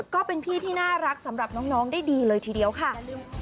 ก็เป็นพี่ที่น่ารักสำหรับน้องได้ดีเลยทีเดียวค่ะ